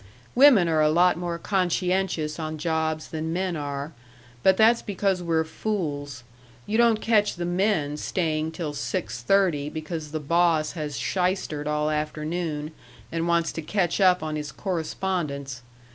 Women are a lot more conscientious on jobs than men are but that's because we're fools; you don't catch the men staying till six thirty because the boss has shystered all afternoon and wants to catch up on his correspondence.